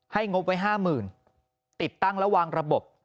ให้งบไว้๕๐๐๐๐บาทติดตั้งและวางระบบ